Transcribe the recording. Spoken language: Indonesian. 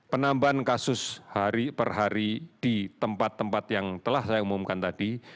penambahan kasus hari per hari di tempat tempat yang telah saya umumkan tadi